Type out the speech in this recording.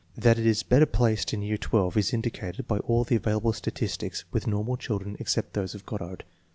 That it is better placed in year XII is indicated by all the available statistics with normal children, except those of Goddard.